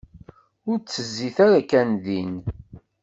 Ur tezzit ara kan din.